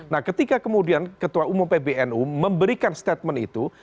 nah ketika kemudian ketua umum pbnu memberikan statement itu